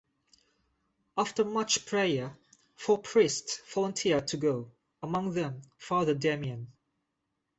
After much prayer, four priests volunteered to go, among them Father Damien.